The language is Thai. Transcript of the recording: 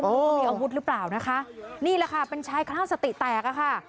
โอ้โหมีอาวุธหรือเปล่านะคะนี่แหละค่ะเป็นชายคลั่งสติแตกอะค่ะ